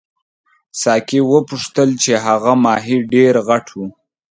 ساقي وپوښتل چې هغه ماهي ډېر غټ وو.